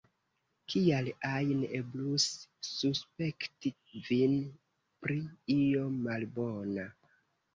Kial ajn eblus suspekti vin pri io malbona!